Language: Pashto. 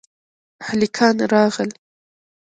هلکان راغل